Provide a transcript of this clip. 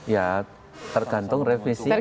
ya tergantung revisi